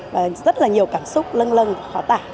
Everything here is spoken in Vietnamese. và rất là nhiều cảm xúc lâng lâng và khó tả